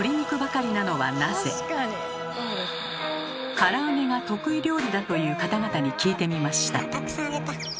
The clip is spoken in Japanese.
から揚げが得意料理だという方々に聞いてみました。